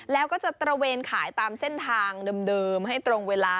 แล้วก็จะตระเวนขายตามเส้นทางเดิมให้ตรงเวลา